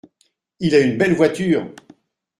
Il a une belle voiture.